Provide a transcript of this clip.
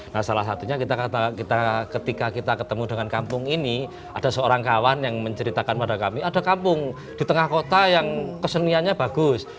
nah salah satunya ketika kita ketemu dengan kampung ini ada seorang kawan yang menceritakan pada kami ada kampung di tengah kota yang keseniannya bagus